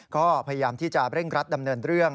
ก็พยายามที่จะเร่งรัดดำเนินเรื่อง